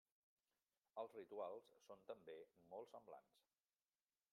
Els rituals són, també, molt semblants.